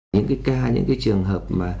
những cái ca những cái trường hợp